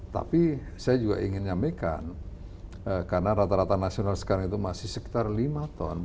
tapi saya juga ingin nyamaikan karena rata rata nasional sekarang itu masih sekitar lima ton